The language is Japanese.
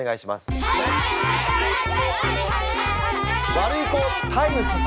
ワルイコタイムス様。